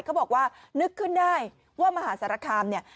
เขาบอกว่านึกขึ้นได้ว่ามหาสารคามเนี่ย